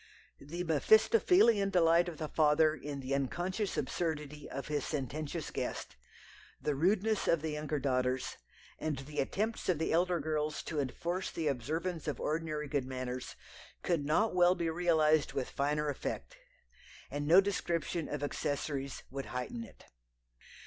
The mephistophelian delight of the father in the unconscious absurdity of his sententious guest, the rudeness of the younger daughters, and the attempts of the elder girls to enforce the observance of ordinary good manners, could not well be realized with finer effect, and no description of accessories would heighten it.